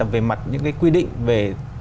về mặt những cái quy định về